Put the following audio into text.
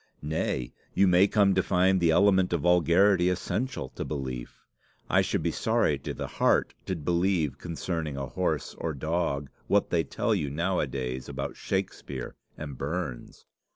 Nay, you may come to find the element of vulgarity essential to belief. I should be sorry to the heart to believe concerning a horse or dog what they tell you nowadays about Shakespeare and Burns.